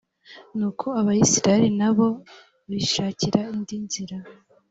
nuko abayisraheli na bo bishakira indi nzira.